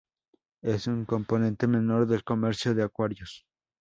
Es un componente menor del comercio de acuarios.